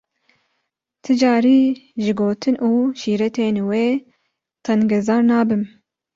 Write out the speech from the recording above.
Ti carî ji gotin û şîretên wê tengezar nabim.